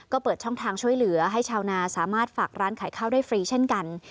ก็เปิดช่องทางช่วยเหลือให้ชาวนาสามารถฝากร้านขายข้าวได้ฟรีเช่นกัน